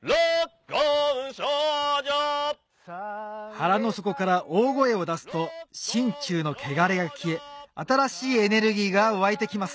腹の底から大声を出すと身中の穢れが消え新しいエネルギーが湧いてきます